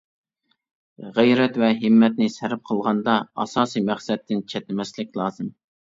غەيرەت ۋە ھىممەتنى سەرپ قىلغاندا ئاساسىي مەقسەتتىن چەتنىمەسلىك لازىم.